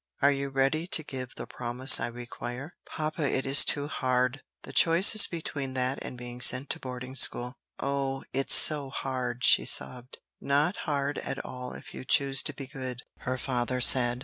Are you ready to give the promise I require?" "Papa, it is too hard!" "The choice is between that and being sent to boarding school." "Oh, it's so hard!" she sobbed. "Not hard at all if you choose to be good," her father said.